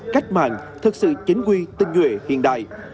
cách mạng thực sự chính quy tinh nguyện hiện đại